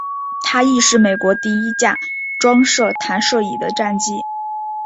它亦是美国第一架装设弹射椅的战机。